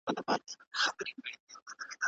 د کار عصري سیستم تطبیق سو.